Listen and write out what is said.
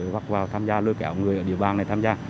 gặp vào tham gia lưu kẹo người ở địa bàn này tham gia